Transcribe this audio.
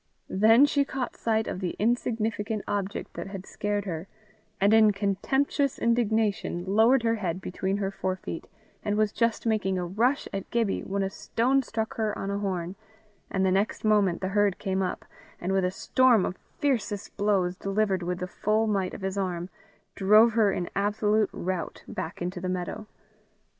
Then she caught sight of the insignificant object that had scared her, and in contemptuous indignation lowered her head between her forefeet, and was just making a rush at Gibbie, when a stone struck her on a horn, and the next moment the herd came up, and with a storm of fiercest blows, delivered with the full might of his arm, drove her in absolute rout back into the meadow.